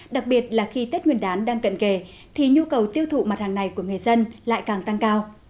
đặc biệt là khi tết nguyên đán đang cận kề thì nhu cầu tiêu thụ mặt hàng này của người dân lại càng tăng cao